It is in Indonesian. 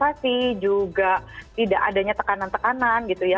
transportasi juga tidak adanya tekanan tekanan gitu ya